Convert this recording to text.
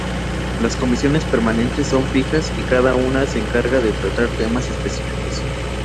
Las comisiones permanentes son fijas y cada una se encarga de tratar temas específicos.